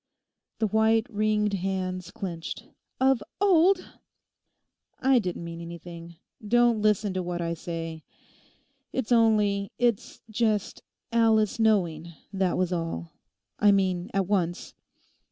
The white, ringed hands clenched, '"Of old!"' 'I didn't mean anything. Don't listen to what I say. It's only—it's just Alice knowing, that was all; I mean at once.